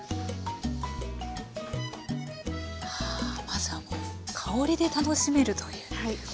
まずはもう香りで楽しめるという。